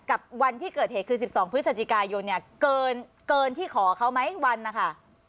วันที่เกิดเหตุคือ๑๒พฤศจิกายนเนี่ยเกินที่ขอเขาไหมวันนะคะ